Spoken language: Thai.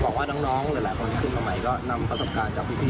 หวังว่าน้องเหลือหลายคนขึ้นมาใหม่ก็นำประสบการณ์จากพี่